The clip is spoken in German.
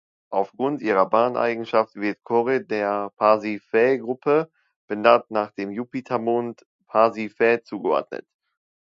Aufgrund ihrer Bahneigenschaften wird Kore der Pasiphae-Gruppe, benannt nach dem Jupitermond Pasiphae, zugeordnet.